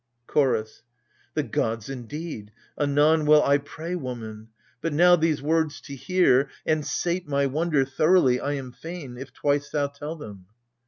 CHOROS. The gods, indeed, anon will I pray, woman ! But now, these words to hear, and sate my wonder Thoroughly, I am fain — if twice thou tell them.